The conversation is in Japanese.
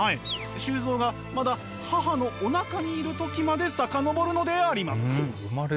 周造がまだ母のおなかにいる時まで遡るのであります。